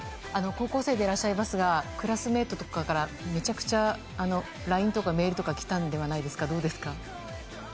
高校生でいらっしゃいますがクラスメートとかからめちゃくちゃＬＩＮＥとかメールとか来たのではないですか。